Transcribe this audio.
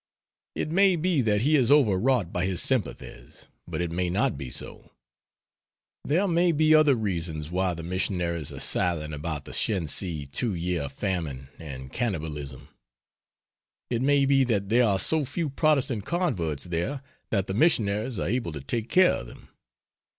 It may be that he is over wrought by his sympathies, but it may not be so. There may be other reasons why the missionaries are silent about the Shensi 2 year famine and cannibalism. It may be that there are so few Protestant converts there that the missionaries are able to take care of them.